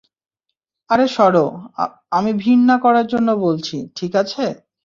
আরে, সরো আমি ভিড় না করার জন্য বলছি, ঠিক আছে?